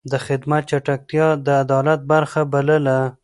د خدمت چټکتيا يې د عدالت برخه بلله.